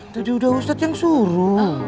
tadi udah ustadz yang suruh